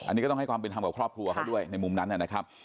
อันนี้ก็ต้องให้ความเป็นธรรมกับครอบครัวเขาด้วยในมุมนั้นนะครับ